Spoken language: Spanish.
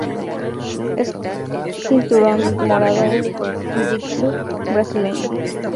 Es cinturón morado en Jiu-jitsu brasileño.